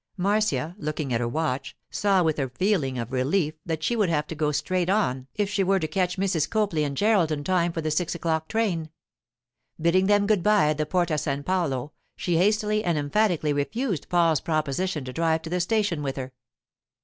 Marcia, looking at her watch, saw with a feeling of relief that she would have to go straight on if she were to catch Mrs. Copley and Gerald in time for the six o'clock train. Bidding them good bye at the Porta San Paolo, she hastily and emphatically refused Paul's proposition to drive to the station with her.